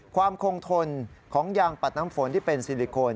ความคงทนของยางปัดน้ำฝนที่เป็นซิลิโคน